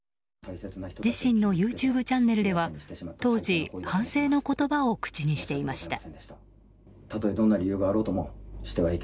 自身のＹｏｕＴｕｂｅチャンネルでは当時、反省の言葉を口にしていました。